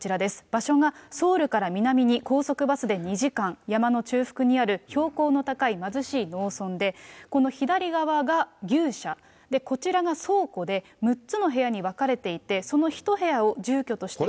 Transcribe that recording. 場所がソウルから南に高速バスで２時間、山の中腹にある標高の高い貧しい農村で、この左側が牛舎、こちらが倉庫で、６つの部屋に分かれていて、その１部屋を住居して。